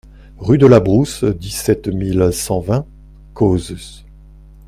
Rue de la Brousse, dix-sept mille cent vingt Cozes